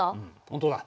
本当だ。